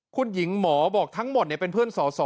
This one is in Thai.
คุณหญิงหมอบอกทั้งหมดเป็นเพื่อนสอสอ